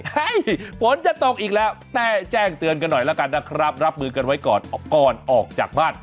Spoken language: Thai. ฝนจะตกอีกแล้วแต่แจ้งเตือนกันหน่อยแล้วกันนะครับรับมือกันไว้ก่อนก่อนออกจากบ้าน